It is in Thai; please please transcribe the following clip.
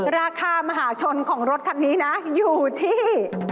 ราคามหาชนของรถคันนี้นะอยู่ที่